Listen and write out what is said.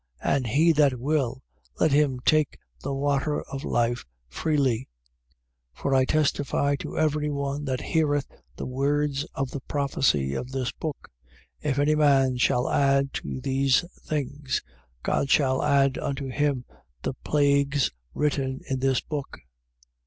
And he that will, let him take the water of life, freely. 22:18. For I testify to every one that heareth the words of the prophecy of this book: If any man shall add to these things, God shall add unto him the plagues written in this book.